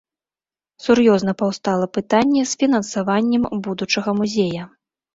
Сур'ёзна паўстала пытанне з фінансаваннем будучага музея.